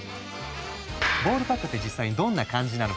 ボールパークって実際にどんな感じなのか？